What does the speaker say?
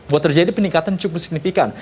buat terjadi peningkatan cukup signifikan